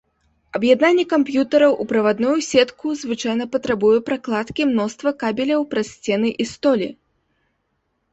Аб'яднанне камп'ютараў у правадную сетку звычайна патрабуе пракладкі мноства кабеляў праз сцены і столі.